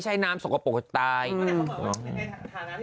เช็ดแรงไปนี่